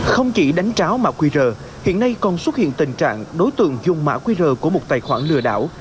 không chỉ đánh tráo mã qr hiện nay còn xuất hiện tình trạng đối tượng dùng mã qr của một tài khoản lừa đảo